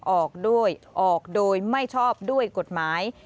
ออกด้วยออกโดยไม่ชอบด้วยกฎหมาย